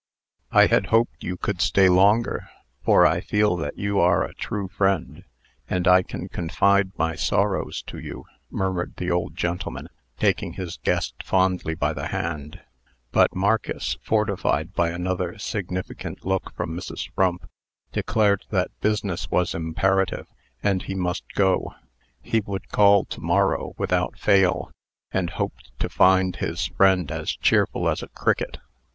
"I had hoped you could stay longer; for I feel that you are a true friend, and I can confide my sorrows to you," murmured the old gentleman, taking his guest fondly by the hand. But Marcus, fortified by another significant look from Mrs. Frump, declared that business was imperative, and he must go. He would call to morrow, without fail, and hoped to find his friend as cheerful as a cricket.